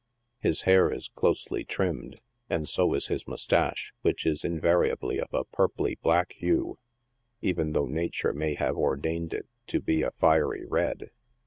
His hair is closely trimmed, and so is his moustache, which is invariably of a purply black hue, even though Nature may have ordained it to be a fiery red.